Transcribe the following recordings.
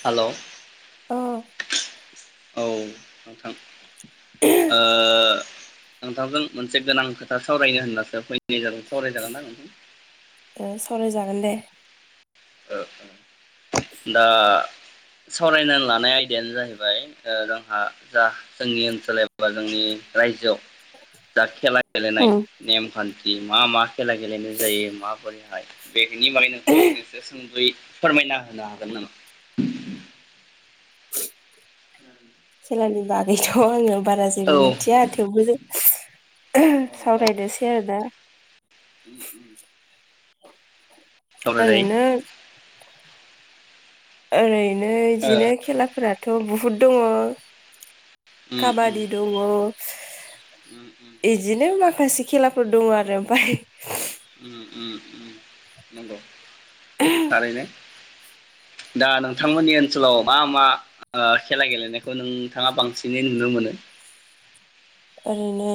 Hello ओ- औ नोंथां ओ- नोंथांजों मोनसे गोनां खोथा सावरायनो होनासो फैनाय जादों सावराय जागोनना नोंथां? ओ- सरायजागोन दे। ओ- ओ- दा सावरायनानै लानाय आयदायानो जाहैबाय ओ- जोंहा जा- जोंनि ओनसोल एबा जोंनि राय्जोआव दा खेला गेलेनाय उम नेमखान दि मा मा खेला गेलेनाय जायो माबोरैहाय बेनि बागै नोंथाङा आंनो सुंदयै फोरमायना होनो हागोन नामा? [inaudible] [unintelligible] नि बागैथ' आङो। बारा औ जेबो मिथिया थेवबो जों औ [unintelligible] औ सावरायनोसै आरो ना। उम उम सावरायजायो ओरैनो, ओरै नो इदिनो ओ खेलाफोराथ' बुह हुड दङ उम उम काबादि दङ उम उम इदिनो माखासे खेलाफोर दङ आरो ओमफाय उम उम नंगौ थारैनो दा नोंथांमोननि ओनसोलाव मा मा? ओ- खेला गेलेनायखौ नों। नोंथाङा बांसिनै नुनो मोनो? ओरैनो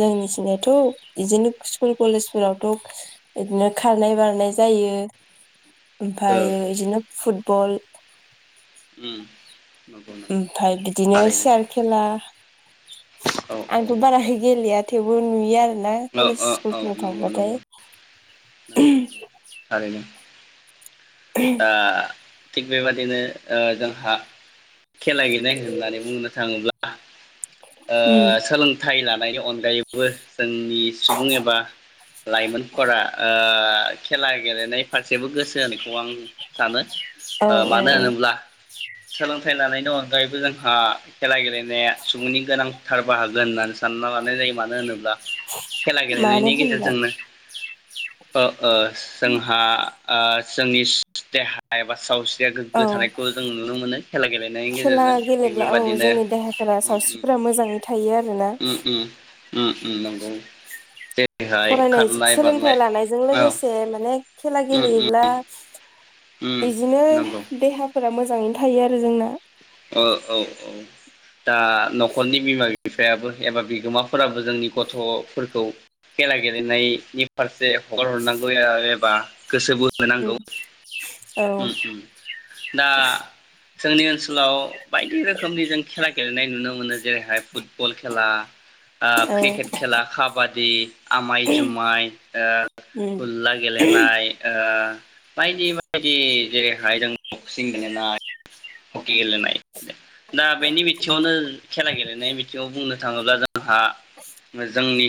जोंनिथिंजायथ' बिदिनो स्कुल कलेजफोरावथ' बिदिनो खारनाय बारनाय जायो । ओमफायो ओ बिदिनो फु बल उम नंगौ नंगौ ओमफ्राय बिदिनो थारैनो चियार खेला औ आंथ' बाराहै गेलेया। थेवबो नुयो आरो। ना औ कलेज औ औ स्कुलफोराव नंगौ थांबाथाय। नंगौ नंगौ ओ थिग बेबादिनो ओ जोंहा खेला गेलेनाय होननानै बुंनो थाङोब्ला ओ सोलोंथ थाइ लानायनि अनगायैबो जोंनि सुबुं एबा लाइमोनफोरा ओ। [inaudible] खेला गेलेनाय फारसेबो गोसो होनायखौ आं सानो औ औ मानो होनोब्ला सोलोंथाइ लानाय अन अगायबो जोंहा खेला गेलेनाया सुबुंनि गोनांथार बाहागो होननानै सानो। सानना लानाय जायो मानो होनोब्ला। खेला मानो गेलेनायनि होनब्ला गेजेरजोंनो ओ ओ जोंहा आ। ओ जोंनि देहा एबा सावस्रि। या औ गोग्गो थानायखौ जों नुनो मोनो खेला गेलेनायनि खेला गेजेरजों थिग गेलेब्ला औ बेबादिनो जोंनि देहाफोरा उम उम। सावस्रिफोरा मोजाङै थायो आरोना उम उम उम। उम नंगौ बे। फरायनाय सोलोंथाइ लानायजों औ लोगोसे माने खेला उम उम गेलेयोब्ला उम बिदिनो नंगौ देहाफोरा मोजाङैनो थायो आरो जोंना औ औ औ। दा न'खरनि बिमा बिफायाबो एबा बिगोमाफोराबो जोंनि गथ'फोरखौ खेला गेलेनायनि फारसे हगार हरनांगौ एबा गोसो बोहोनांगौ औ उम उम दा जोंनि ओनसोलाव अ' बायदि रोखोमनि जों खेला गेलेनाय नुनो मोनो जेरैहाय फुटबल खेला औ क्रिकेट खेला काबा दि। आमाय जुमाय ओ औ गुल्ला गेलेनाय ओ बायदि बायदि जेरैहाय जों [unintelligible] सिं गेलेनाय हकि गेलेनाय दा बेनि बिथिङावनो खेला गेलेनाय बिथिङाव बुंनो थाङोब्ला जों जोंहा जोंनि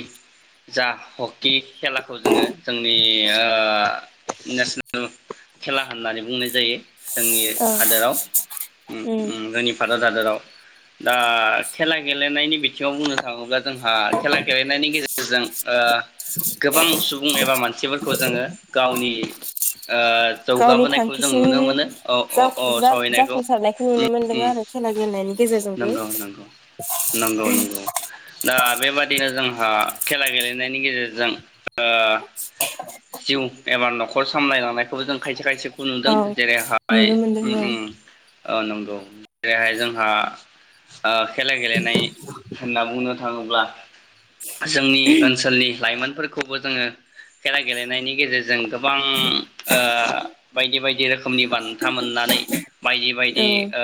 जा हक [unintelligible] खेलाखौ जोङो जोंनि ओ नेसनेल खेला होननानै बुंनाय जायो। जोंनि हादोराव। [unintelligible] जोंनि। भारत हाद'राव दा खेला गेलेनायनि बिथिङाव बुंनो थाङोब्ला। जोंहा खेला गेलेनायनि गेजेरजों ओ गोबां सुबुं एबा मानसिफोरखौ जोङो गावनि। ओ गावनि जौगाबोनायखौ जों थांखिसिम नुनो मोनो औ अ अ सहैनायखौ। सारनायखौ उम नुनो मोनदों उम आरो खेला गेलेनायनि गेजेरजोंबो। नंगौ नंगौ नंगौ हा खेला गेलेनायनि गेजेरजों। ओ जिउ एबार न'ख खर सामलाय लांनायखौबो जों खायसे खायसे। खुनुदों औ जेरैहाय नुनो मोनदों उम औ उम। ओ नंगौ जेरैहाय जोंहा। ओ खेला गेलेनाय होनना बुंनो थाङोब्ला। जोंनि ओनसोलनि लाइमोन फोरखौबो जोङो खेला गेलेनायनि गेजेरजों। गोबां ओ बायदि बायदि रोख [unintelligible] नि बान्था मोननानै बायदि बाय दि औ ओ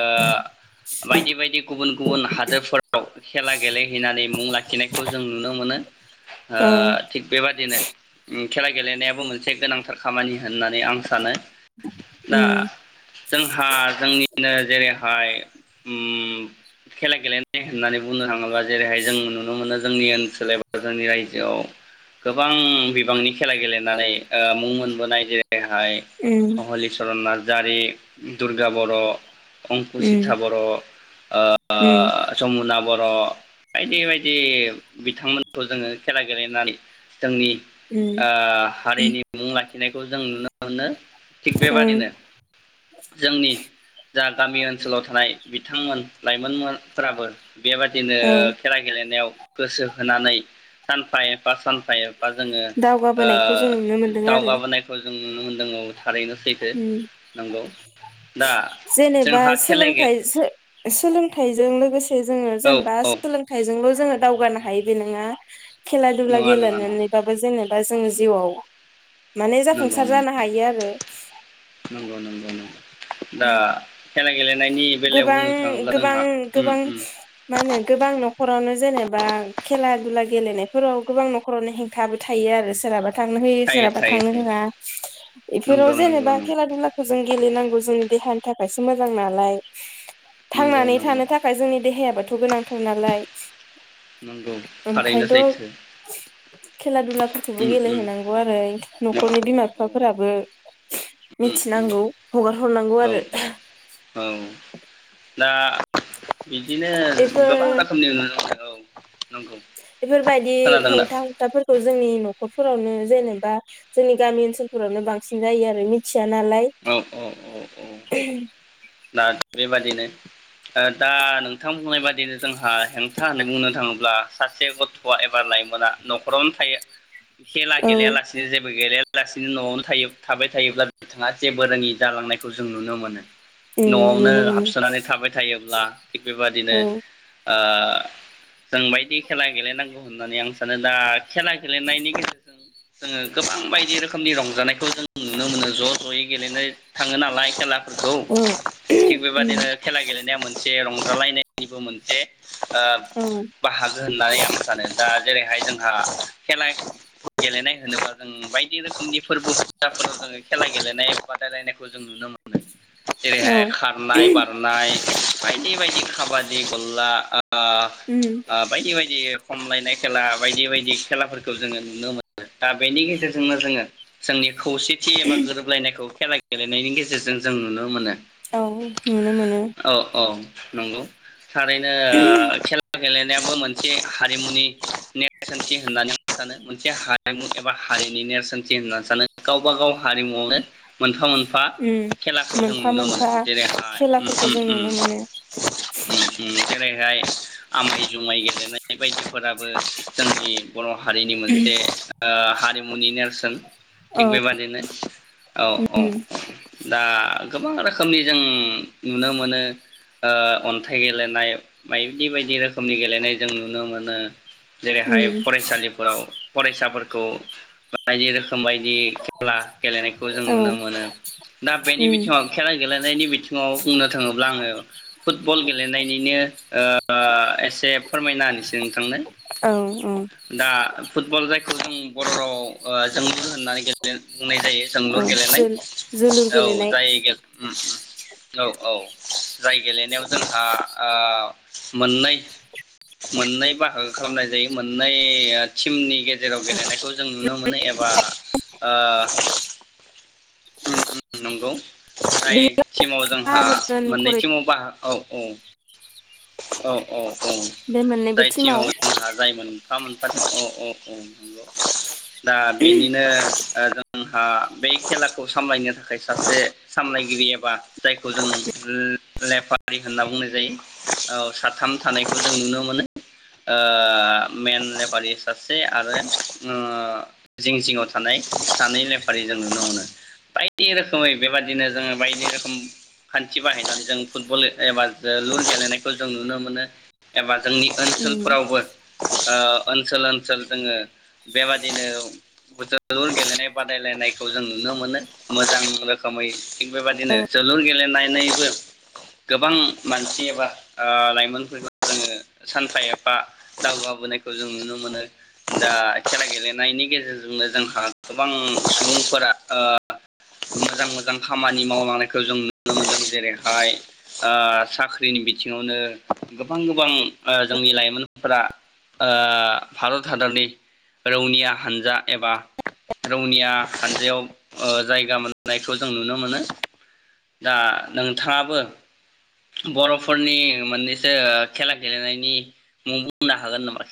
बायदि बायदि गुबुन गुबुन हादोरफोराव खेला गेलेहैनानै मुं लाखिनायखौ जों नुनो मोनो ओ औ थिग बेबादिनो उम। खेला गेलेनायाबो मोनसे गोनांथार खामानि होननानै आं सानो। दा उम जोंहा जोंनि। [unintelligible] जेरैहाय। ओम खेला गेलेनाय होननानै बुंनो थाङोब्ला, जेरैहाय जों नुनो मोनो जोंनि ओनसोल एबा जोंनि रायजोआव। गोबां बिबांनि खेला गेलेनानै ओ मुं मोनबोनाय जेरै बेहाय उम हहलिचरन नार नारजारि, दुर्गा बर' उम अंकुसिथा बर' ओ उम जमुना बर'। बर' बायदि बायदि बिथांमोनखौ जोङो खेला गेलेनानै जोंनि उम हारिनि मुं लाखिनाय खौ जों नुनो मोनो। थिग बेबादिनो, जोंनि दा गामि ओनसोलाव थानाय बिथांमोन लाइमोनफोराबो। बेबादिनो औ खेला गेलेनायाव गोसो होनानै सानफा एफा सानफा ए फा जोङो ओ दावगाबोनायखौ जों नुनो मोनदों आरो दावगाबोनायखौ जों नुनो मोनो [unintelligible] थारैनो सैथो उम नंगौ दा बा जोंहा खेला गे सोलोंथाइ सो सोलोंथाइ जों लोगोसे जोङो औ जेनेबा औ सोलोंथाइजोंल' जोङो दावगानो हायो बे नङा खेला दुला नङा नङा नङा गेलेनानैबाबो जोङो बा जोङो जिउआव माने नंगौ जाफुंसार नंगौ जानो हायो आरो [inaudible] नंगौ नंगौ नंगौ दा खेला गेलेनायनि बेलायाव गोबां बुंनो थाङोब्ला गोबां जोंहा उम गोबां उम मा होनो गोबां न'खर फोरावनो जेनेबा खेला दुला गेलेनायफोराव गोबां न'खरावनो हेंथाबो थायो आरो सोरहाबा थांनो होयो थायो सोरहाबा थायो थांनो थायो होआ बेफोराव नंगौ नंगौ जेनेबा नंगौ खेला दुलाखौ जों गेलेनांगौ जोंनि देहानि थाखायसो मोजां नालाय नंगौ थांनानै नंगौ थानो थाखाय जोंनि देहायाबोथ' गोनांथार नालाय नंगौ थारैनो ओंखायथ' सैथो खेला दुलाखौ खौबो उम उम गेलेहैनांगौ आरो औ न'खरनि बिमा औ बिफाफोराबो उम उम मिथिनांगौ हगार हरनांगौ औ आरो औ औ दा बिदिनो बेफोर गोबां रोखोमनि नुनो मोनो औ नंगौ बेफोरबायदि खोनादोंना हेंथा हेंथाफोरखौ जोंनि न'खरफोरावनो जेनेबा जोंनि गामि ओनसोलफोरावनो बांसिन जायो आरो मिथिया नालाय औ औ औ औ दा बेबादि दा नोंथां बुंनाय बादिनो जोंहा हेंथा होननानै बुंनो थाङोब्ला ब्ला सासे गथ'आ एबा लाइमोना न'खरावनो थायो। खेला औ गेलेयालासिनो जेबो गेलेया बेलासिनो न'आवनो थायो थाबाय थायोब्ला बिथाङा जेबोरोङि जालांनायखौ जों नुनो मोनो। उम न'आवनो नुनो मोनो हाबसोनानै थाबाय थायोब्ला थिग बेबादिनो औ ओ जों बायदि खेला गेलेनांगौ होननानै आं सानो दा। खेला गेलेनायनि गेजेरजों जोङो गोबां बायदि रोखोमनि रंजानायखौ जों नुनो मोनो ज' ज'यै। गेलेनो थाङो नालाय खेला खौ औ थिग बेबायदि उम खेला गेले मोनसे रंजालायनायनिबो मोनसे ओ औ बाहागो होननानै आं सानो दा जेरैहाय जोंहा खेला गेलेनाय होनोब्ला जों बायदि रोखोमनि फोरबो फुजाफोर जोङो खेला गेलेनाय बादायलायनायखौ जों नुनो मोनो। औ जेरैहाय खारनाय बारनाय बायदि बायदि खाबादि गलला ओ उम बायदि बायदि खमलायनाय खेला बायदि बायदि खेलाफोरखौ जोङो नुनो मोनो दा बेनि गेजेरजोंनो जोङो जोंनि खौसेथि एबा गोरोबलायनायखौ खेला गेलेनायनि गेजेरजों जों नुनो मोनो। औ नुनो मोनो। औ औ नंगौ। थारैनो खेला गेलेनायाबो मोनसे हारिमुनि नेरसोनथि होननानै सानो मोनसे हारिमु एबा हारिनि नेरसोनथि होननानै सानो गावबा गाव हारिमुयावनो मोनफा मोनफा उम खेलाखौ जों मोनफा नुनो मोनो मोनफा जेरैहाय उम खेलाफोरखौ उम जों उम नुनो मोनो उम उम जेरैहाय आमै जुमाय गेलेनाय बायदिफोराबो जोंनि बर' हारिनि मोनसे ओ हारि मुनि नेरसोन औ थिग बेबादिनो औ औ औ उम दा गोबां रोखोमनि जों नुनो मोनो ओ अन्थाइ गेलेनाय बायदि बायदि रोखोमनि गेलेनाय जों नुनो मोनो। जेरैहाय उम फरायसालिफोराव फरायसाफोरखौ खौ बायदि रोखोम बायदि खेला गेलेनाय जों औ नुनो मोनो दा बेनि उम बिखय खेला गेलेनायनि बिथिङाव बुंनो थाङोब्ला आङो फुटबल गेलेनायनिनो एसे फोरमायना होनसै नोंथांनो औ औ दा फुटबल जायखौ उम बर' रावाव जोलुर होननानै गेलेनाय जायो। बुलुर औ गेलेनाय जोल जोलुर औ गेलेनाय जाय औ औ। जाय गेलेनायाव जोंहा आ मोन मोननै बाहागो खालामनाय जायो मोननै टिमनि गेजेराव जेराव गेलेनायखौ जों नुनो मोनो एबा आ [inaudible] नंगौ बे जायटिमाव जोंहा भारत जन मोननै खरै टिमाव बाहा औ औ। औ औ औ बे मोननैबो जाय टिमाव जोंहा जाय मोनफा मोन अ औ औ। दा बेनिनो जोंहा बे खेलाखौ सामलायनो थाखाय सासे सामलायगिरि एबा जायखौ जों लेफारि होनना बुंनाय जायो। औ साथाम थानायखौ जों नुनो मोनोओ मेन लेफारि सासे आरो जिं जिङाव थानाय सानै लेफारि जों नुनो मोनो बायदि रोखोमै बेबादिनो जोङो बायदि रोखोम खान्थि बाहायनानै जों फुटबल एबा जो लुर गेलेनायखौ जों नुनो मोनो एबा जोंनि उम ओनसोलफोरावबो आ ओनसोल ओनसोल जोङो बेबादिनो जोलुर गेलेनाय बादायलायनाय खौ जों नुनो मोनो मोजां रोखोमै थिग बेबायदिनो औ जोलुर गेलेनाय दिनैबो गोबां मानसि एबा ओ लाइमोनफोरखौ जोङो सानफा एफा दावगाबोनायखौ जों नुनो मोनो दा खेला गेलेनायनि गेजेरजोंनो जोंहा गोबां सुबुंफोरा ओ मोजां मोजां खामानि मावलांनायखौ जों नुनो मोनदों जेरैहाय ओ साख्रिनि बिथिङावनो गोबां गोबां ओ जोंनि लाइमोनफोरा ओ भारत हादरनि रौनिया हानजा एबा रौनिया हानजायाव ओ जायगा मोननायखौ जों नुनो मोनो दा नोंथाङाबो बर'फोरनि मोननैसो खेला गेलेनायनि मुं बुंनो हागोन नामा ।